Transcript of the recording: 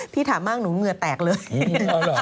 ถามมากหนูเหงื่อแตกเลย